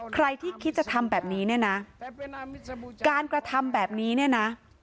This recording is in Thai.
ใครที่คิดจะทำแบบนี้เนี่ยนะการกระทำแบบนี้เนี่ยนะ